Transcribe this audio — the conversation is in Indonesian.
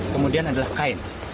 kemudian adalah kain